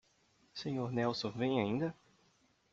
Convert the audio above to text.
Sr. Nelson vem ainda?